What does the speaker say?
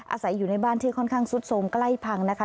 อาศัยอยู่ในบ้านที่ค่อนข้างซุดโทรมใกล้พังนะคะ